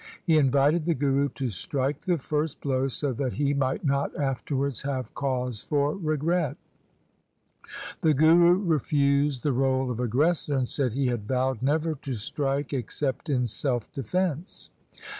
He invited the Guru to strike the first blow, so that he might not afterwards have cause for regret. The Guru refused the role of aggressor and said he had vowed never to strike except in self defence.